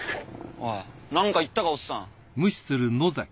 おい何か言ったかおっさん。